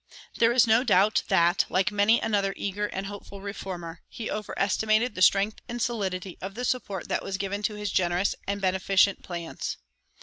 There is no doubt that, like many another eager and hopeful reformer, he overestimated the strength and solidity of the support that was given to his generous and beneficent plans.